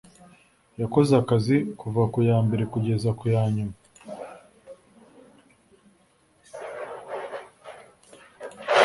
yakoze akazi kuva ku ya mbere kugeza ku ya nyuma